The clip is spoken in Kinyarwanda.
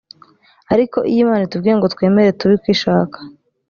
Ariko iyo Imana itubwiye ngo twemere tube uko ishaka